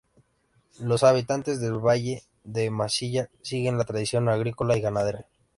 Los habitantes de Valle de Mansilla siguen la tradición agrícola y ganadera.